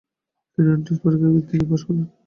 তিনি এন্ট্রান্স পরীক্ষায় বৃত্তী নিয়ে পাস করেন।